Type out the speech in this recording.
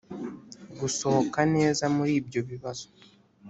gusohoka neza muribyo bibazo.